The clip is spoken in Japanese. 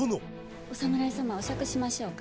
お侍様お酌しましょうか。